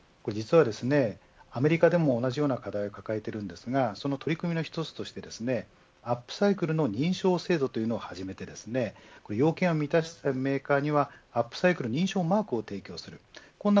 実は、アメリカでも同じような課題を抱えていますがその取り組みの１つとしてアップサイクルの認証制度というのをはじめて要件を満たしたメーカーにはアップサイクルの認証マークを提供する。